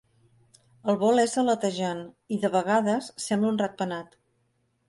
El vol és aletejant i de vegades sembla un ratpenat.